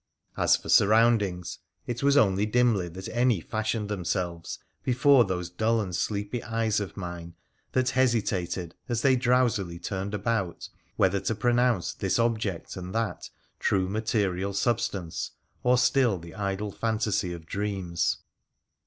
As for surroundings, it was only dimly that any fashioned themselves before those dull and sleepy eyes of mine that hesitated, as they drowsily turned about, whether to pro nounce this object and that trie material substance, or still the idle fantasy of dreams.